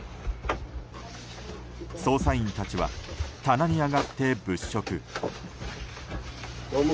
捜査員たちは棚に上がって物色。